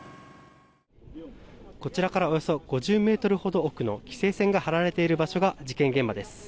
こちらからおよそ５０ｍほど奥の規制線が張られている場所が事件現場です。